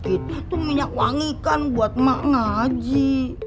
itu minyak uang kan buat mak ngaji